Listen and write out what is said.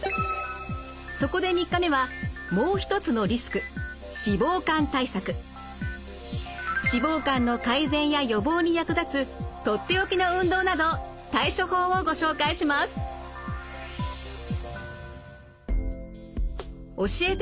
そこで３日目は脂肪肝の改善や予防に役立つとっておきの運動など対処法をご紹介します。